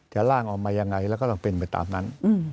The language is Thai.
ร่างออกมายังไงแล้วก็ต้องเป็นไปตามนั้น